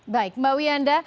baik mbak wiyanda